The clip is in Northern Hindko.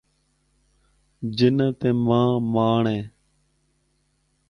جنہاں تے مانھ مانڑ اے۔